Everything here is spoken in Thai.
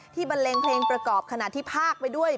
บันเลงเพลงประกอบขณะที่ภาคไปด้วย